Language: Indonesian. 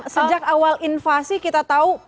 sejak awal invasi kita tahu